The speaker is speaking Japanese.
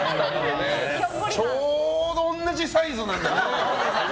ちょうど同じサイズなんだね。